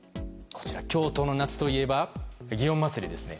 京都の夏といえば祇園祭りですね。